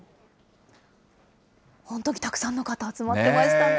本当にたくさんの方、集まってましたね。